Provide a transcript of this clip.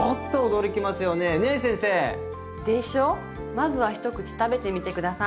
まずは一口食べてみて下さい。